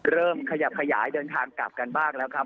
เริ่มขยับขยายเดินทางกลับกันบ้างแล้วครับ